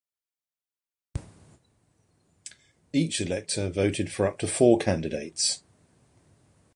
Each elector voted for up to four candidates.